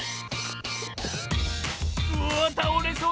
うわあたおれそうだ！